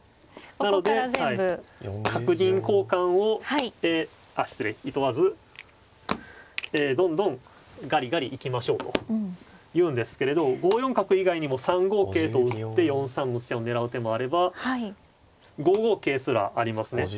なので角銀交換をあっ失礼いとわずどんどんガリガリ行きましょうというんですけれど５四角以外にも３五桂と打って４三の地点を狙う手もあれば５五桂すらありますね。